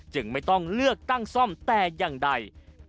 ไม่ต้องเลือกตั้งซ่อมแต่อย่างใด